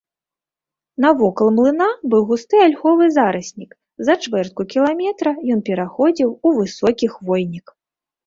Навокал млына быў густы альховы зараснік, за чвэртку кіламетра ён пераходзіў у высокі хвойнік.